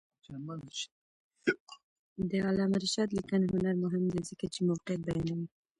د علامه رشاد لیکنی هنر مهم دی ځکه چې موقعیت بیانوي.